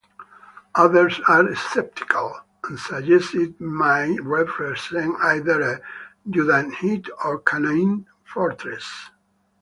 Others are sceptical, and suggest it might represent either a Judahite or Canaanite fortress.